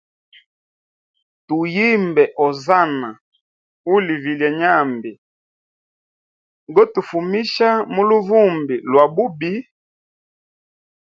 Tu yimbe Ozana uli vilyenyambi gotufumisha muluvumbi lwa bubi.